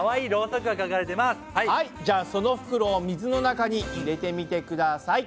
はいじゃあその袋を水の中に入れてみてください！